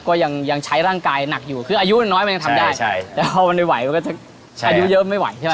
ก็ยังยังใช้ร่างกายหนักอยู่คืออายุน้อยมันยังทำได้แต่พอมันไม่ไหวมันก็จะอายุเยอะไม่ไหวใช่ไหม